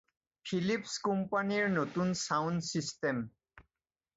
Philips কোম্পানীৰ নতুন sound system.